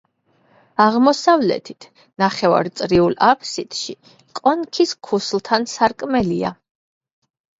აღმოსავლეთით, ნახევარწრიულ აფსიდში, კონქის ქუსლთან სარკმელია.